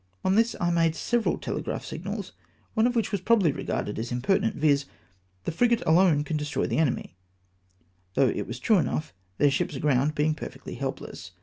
On this I made several tele graph signals, one of which was probably regarded as impertinent, viz. " The frigates alone can destroy the enemy," though it was true enough, theu' ships aground being perfectly helpless.